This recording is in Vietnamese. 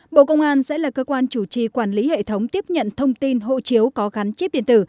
bộ công an sẽ là cơ quan chủ trì quản lý hệ thống tiếp nhận thông tin hộ chiếu có gắn chip điện tử